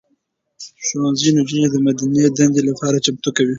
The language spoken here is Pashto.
ښوونځي نجونې د مدني دندې لپاره چمتو کوي.